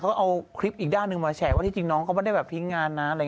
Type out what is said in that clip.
เขาเอาคลิปอีกด้านหนึ่งมาแฉว่าที่จริงน้องเขาไม่ได้แบบทิ้งงานนะอะไร